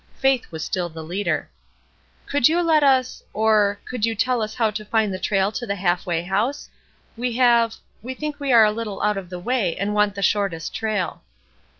Faith was still the leader, "Could you let us — or — could you tell us how to find the trail to the Half way House ? We have — we think we are a little out of the way and want the shortest trail."